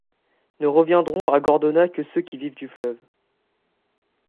Ne reviendront à Gordona que ceux qui vivent du fleuve.